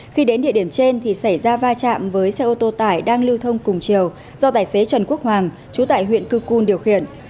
khi đến địa điểm trên thì xảy ra va chạm với xe ô tô tải đang lưu thông cùng chiều do tài xế trần quốc hoàng chú tại huyện cư cun điều khiển